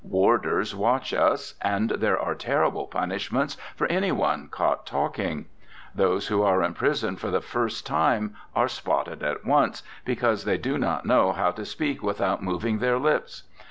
Warders watch us, and there are terrible punishments for any one caught talking. Those who are in prison for the first time are spotted at once, because they do not know how to speak without moving their lips.